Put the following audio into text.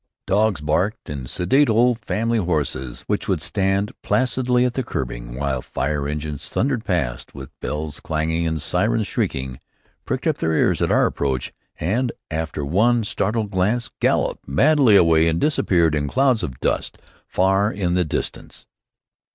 Dogs barked, and sedate old family horses, which would stand placidly at the curbing while fire engines thundered past with bells clanging and sirens shrieking, pricked up their ears at our approach, and, after one startled glance, galloped madly away and disappeared in clouds of dust far in the distance.